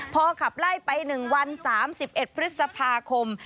พอขับไล่ไป๑วัน๓๑พฤษภาคม